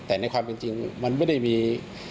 แต่ในความเป็นจริงมันไม่ได้มี